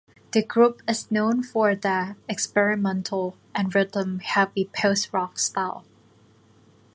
The group is known for their experimental and rhythm-heavy post-rock style.